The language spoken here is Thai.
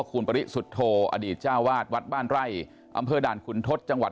คุณปริสุทธโธอดีตเจ้าวาดวัดบ้านไร่อำเภอด่านขุนทศจังหวัด